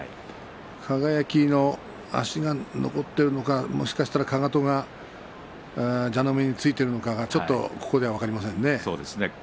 輝は足が残っているのかもしかしたら、かかとが蛇の目についているのかちょっとここで分かりませんね。